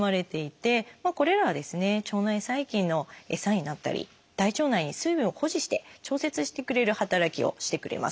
腸内細菌の餌になったり大腸内に水分を保持して調節してくれる働きをしてくれます。